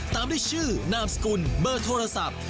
ตามด้วยชื่อนามสกุลเบอร์โทรศัพท์